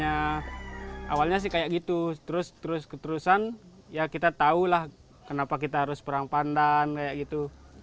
jadi rasanya awalnya sih kayak gitu terus terusan ya kita tahulah kenapa kita harus perang pandan kayak gitu